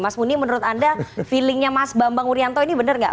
mas muni menurut anda feelingnya mas bambang urianto ini benar nggak